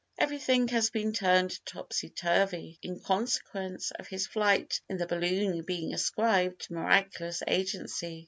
Everything has been turned topsy turvy in consequence of his flight in the balloon being ascribed to miraculous agency.